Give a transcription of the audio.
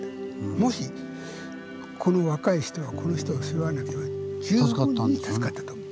もしこの若い人はこの人を背負わなければ十分に助かったと思う。